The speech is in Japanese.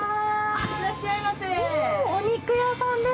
いらっしゃいませ。